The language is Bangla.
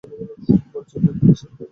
বলছে সে পেঙ্গুইনের সাথে দেখা করবে।